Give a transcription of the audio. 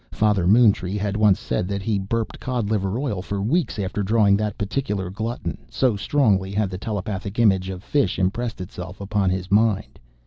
Father Moontree had once said that he burped cod liver oil for weeks after drawing that particular glutton, so strongly had the telepathic image of fish impressed itself upon his mind.